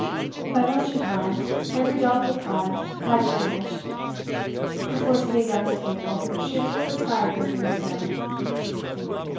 By luncheon time every doubtful cloud had vanished. Before sitting down to table, she observed the sky at the open window.